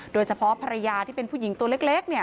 โดยเฉพาะภรรยาที่เป็นผู้หญิงตัวเล็ก